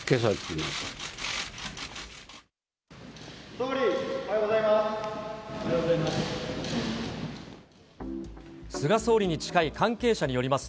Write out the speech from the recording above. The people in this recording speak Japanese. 総理、おはようございます。